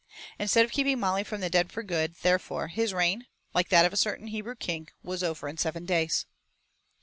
Instead of keeping Molly from the den for good, therefore, his reign, like that of a certain Hebrew king, was over in seven days.